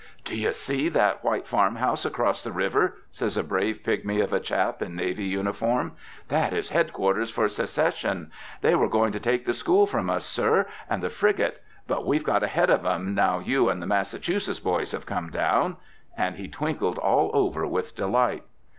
"Do you see that white farm house, across the river?" says a brave pigmy of a chap in navy uniform. "That is head quarters for Secession. They were going to take the School from us, Sir, and the frigate; but we've got ahead of 'em, now you and the Massachusetts boys have come down," and he twinkled all over with delight.